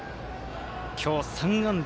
今日３安打。